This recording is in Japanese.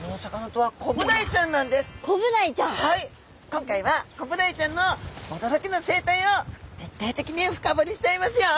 今回はコブダイちゃんのおどろきの生態を徹底的に深ぼりしちゃいますよ！